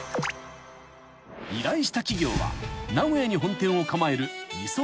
［依頼した企業は名古屋に本店を構える］